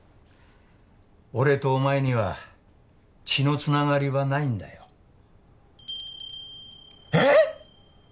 俺とお前には血のつながりはないんだよえっ！？